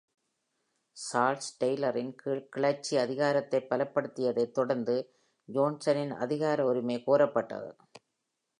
Charles டெய்லரின் கீழ் கிளர்ச்சி அதிகாரத்தை பலப்படுத்தியதைத் தொடர்ந்து ஜான்சனின் அதிகார உரிமை கோரப்பட்டது.